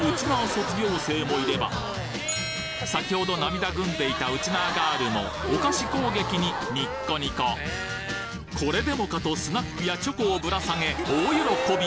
卒業生もいれば先ほど涙ぐんでいたウチナーガールもお菓子攻撃にニッコニコこれでもかとスナックやチョコをぶら下げ大喜び！